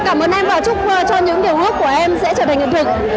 cảm ơn em và chúc hòa cho những điều ước của em sẽ trở thành hiện thực